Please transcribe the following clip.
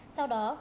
sau đó công bị